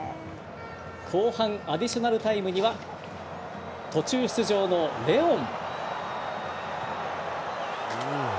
後半アディショナルタイムには途中出場のレオン。